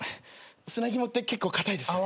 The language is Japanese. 砂肝って結構かたいですよね。